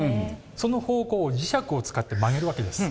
その方向を磁石を使って曲げるわけです。